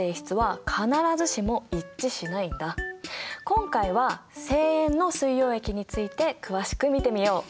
今回は正塩の水溶液について詳しく見てみよう。